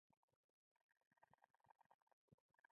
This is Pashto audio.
عسل د ژوند ملګری کئ.